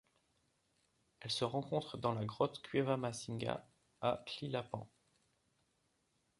Elle se rencontre dans la grotte Cueva Macinga à Tlilapan.